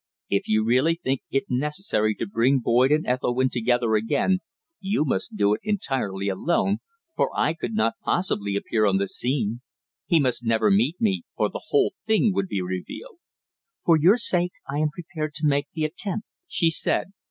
If you really think it necessary to bring Boyd and Ethelwynn together again you must do it entirely alone, for I could not possibly appear on the scene. He must never meet me, or the whole thing would be revealed." "For your sake I am prepared to make the attempt," she said.